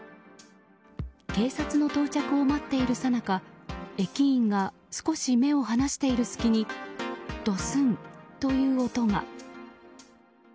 警察の到着を待っているさなか駅員が少し目を離している隙にどすんという音が。